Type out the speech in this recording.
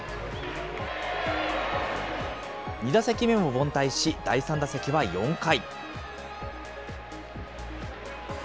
２打席目も凡退し、第３打席は４回。